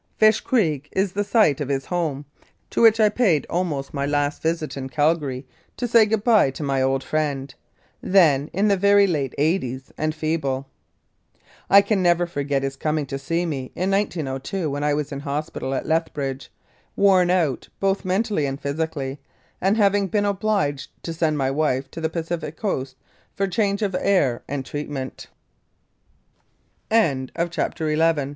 Fish Creek is the site of 'his Home, to which I paid almost my last visit in Calgary, to say good bye to my old friend, then in the very late eighties, and feeble. I can never forget his coming to see me in 1902, when I was in hospital at Lethbridge, worn out both mentally and physically, and having been obliged to send my wife to the Pacific Coast for change of air an